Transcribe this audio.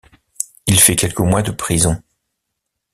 Il fait quelques mois de prison.